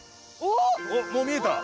おっもう見えた？